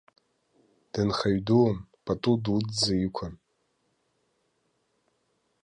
Дынхаҩ дуун, пату дуӡӡа иқәын.